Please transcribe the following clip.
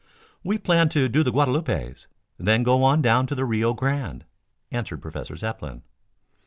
"We planned to do the Guadalupes, then go on down to the Rio Grande," answered Professor Zepplin.